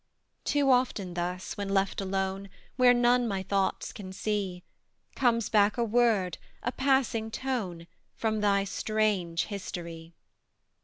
Too often thus, when left alone, Where none my thoughts can see, Comes back a word, a passing tone From thy strange history.